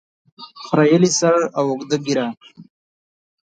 خریلي سر او اوږده ږیره